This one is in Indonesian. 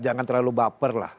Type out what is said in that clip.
jangan terlalu baperlah